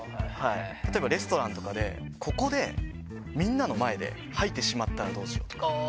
例えばレストランとかで、ここでみんなの前で吐いてしまったらどうしようとか。